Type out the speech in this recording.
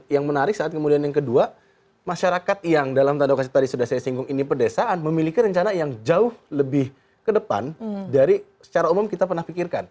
yang menarik saat kemudian yang kedua masyarakat yang dalam tanda tadi sudah saya singgung ini pedesaan memiliki rencana yang jauh lebih ke depan dari secara umum kita pernah pikirkan